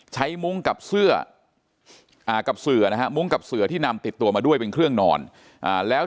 มุ้งกับเสื้อกับเสือนะฮะมุ้งกับเสือที่นำติดตัวมาด้วยเป็นเครื่องนอนแล้ว